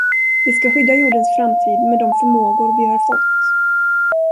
Vi ska skydda jordens framtid med de förmågor vi har fått.